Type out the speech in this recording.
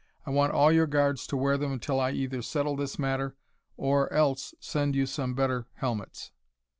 I want all your guards to wear them until I either settle this matter or else send you some better helmets.